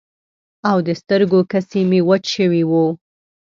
او د سترګو کسی مې وچ شوي وو.